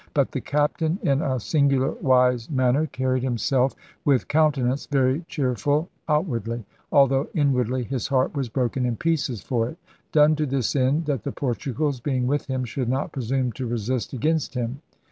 * But the captain in a singular wise manner carried himself with countenance very cheerful outwardly, although inwardly his heart was broken in pieces for it; done to this end, that the Portugals, being with him, should not presume to resist against him.'